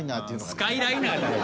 スカイライナーだよ！